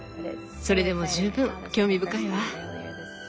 それでも十分興味深いわ。